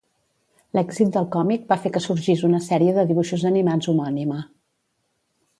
L'èxit del còmic va fer que sorgís una sèrie de dibuixos animats homònima.